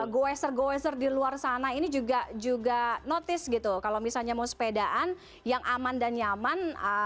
goeser goeser di luar sana ini juga juga notice gitu kalau misalnya mau sepedaan yang aman dan nyaman